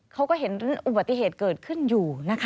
เขาก็เห็นอุบัติเหตุเกิดขึ้นอยู่นะคะ